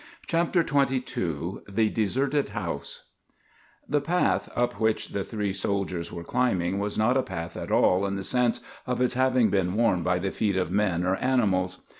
CHAPTER XXII THE DESERTED HOUSE The path up which the three soldiers were climbing was not a path at all in the sense of its having been worn by the feet of men or animals.